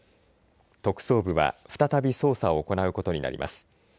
特捜部は再び捜査を行うことになります。